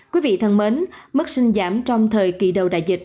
quý vị thân mến mức sinh giảm trong thời kỳ đầu đại dịch